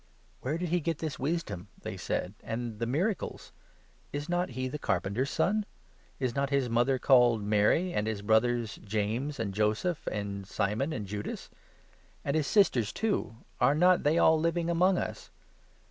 "Where did he get this wisdom?" they said, "and the miracles ? Is not he the carpenter's son ? Is not his mother 55 called Mary, and his brothers James, and Joseph, and Simon, and Judas? And his sisters, too — are not they all living 56 among us